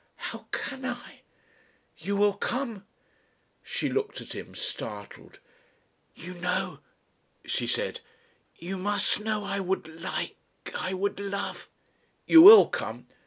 "How can I?" "You will come?" She looked at him, startled. "You know," she said, "you must know I would like I would love " "You will come?"